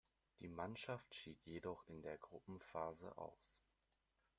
Die Mannschaft schied jedoch in der Gruppenphase aus.